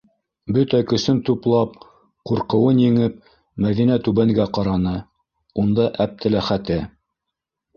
Бөтә көсөн туплап, ҡурҡыуын еңеп, Мәҙинә түбәнгә ҡараны: унда - Әптеләхәте.